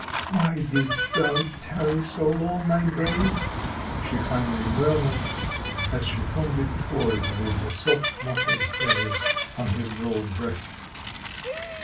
"Why didst thou tarry so long, my brave?" she finally murmured, as she fondly toyed with the soft mottled feathers on his broad breast.